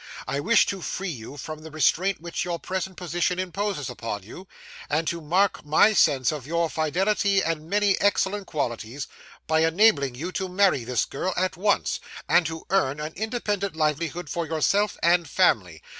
'I wish to free you from the restraint which your present position imposes upon you, and to mark my sense of your fidelity and many excellent qualities, by enabling you to marry this girl at once, and to earn an independent livelihood for yourself and family.